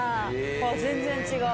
全然違う。